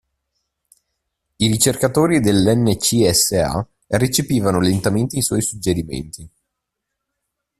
I ricercatori dell'NCSA recepivano lentamente i suoi suggerimenti.